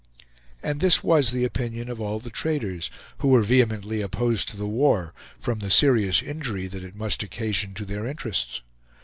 And this was the opinion of all the traders, who were vehemently opposed to the war, from the serious injury that it must occasion to their interests.